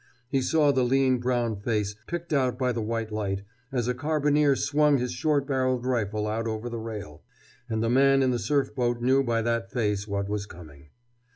He saw the lean brown face, picked out by the white light, as a carbineer swung his short barreled rifle out over the rail—and the man in the surf boat knew by that face what was coming.